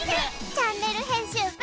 チャンネル編集部。